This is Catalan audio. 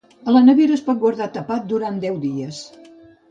A la nevera es pot guardar tapat durant deu dies.